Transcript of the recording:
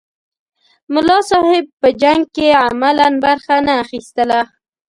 ملا صاحب په جنګ کې عملاً برخه نه اخیستله.